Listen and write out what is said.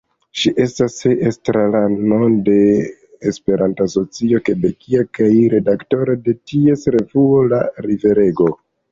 Ŝi estas estrarano de "Esperanto-Societo Kebekia" kaj redaktoro de ties revuo "La Riverego".